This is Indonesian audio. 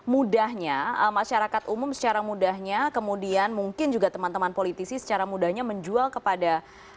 mudahnya masyarakat umum secara mudahnya kemudian mungkin juga teman teman politisi secara mudahnya menjual kepada